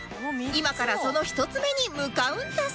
今からその１つ目に向かうんだそう